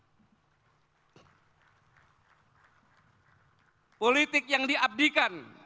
adalah politik yang diabdikan